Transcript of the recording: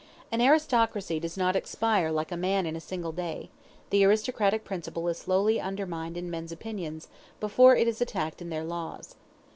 An aristocracy does not expire like a man in a single day; the aristocratic principle is slowly undermined in men's opinion, before it is attacked in their laws.